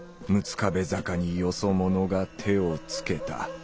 壁坂によそ者が手をつけた。